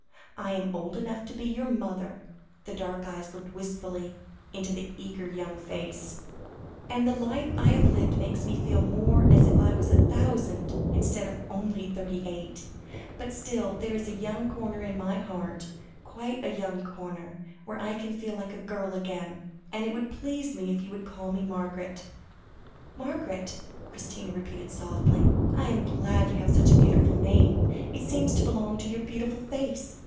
I am old enough to be your mother," the dark eyes looked wistfully into the eager young face "and the life I have lived makes me feel more as if I was a thousand, instead of only thirty eight. But still, there is a young corner in my heart quite a young corner, where I can feel like a girl again; and it would please me if you called me Margaret." "Margaret," Christina repeated softly; "I am glad you have such a beautiful name. It seems to belong to your beautiful face."